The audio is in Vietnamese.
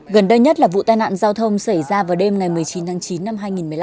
gần đây nhất là vụ tai nạn giao thông xảy ra vào đêm ngày một mươi chín tháng chín năm hai nghìn một mươi năm